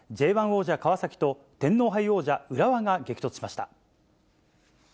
Ｊ１王者、川崎と天皇杯王者、浦和が激突しました。